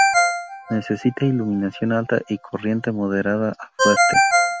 Necesita iluminación alta y corriente de moderada a fuerte.